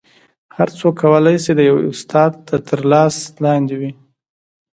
هر څوک کولی شي د یو استاد تر لاس لاندې وي